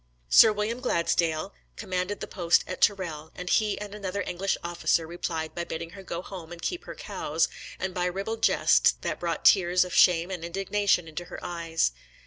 Sir William Gladsdale (whom the French call GLACIDAS) commanded the English post at the Tourelles, and he and another English officer replied by bidding her go home and keep her cows, and by ribald jests, that brought tears of shame and indignation into her eyes.